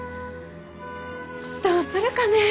どうするかね。